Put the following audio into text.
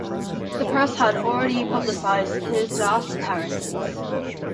The press had already publicized his vast inheritance.